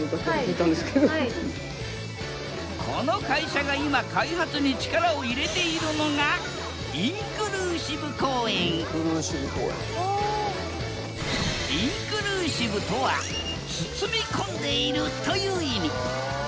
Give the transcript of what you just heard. この会社が今開発に力を入れているのがインクルーシブとは「包み込んでいる」という意味。